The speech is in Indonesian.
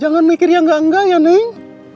jangan mikir yang enggak enggak ya nih